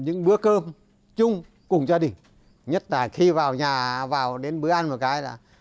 những bữa cơm chung cùng gia đình nhất là khi vào nhà vào đến bữa ăn một cái là